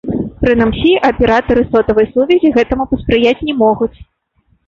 Прынамсі, аператары сотавай сувязі гэтаму паспрыяць не могуць.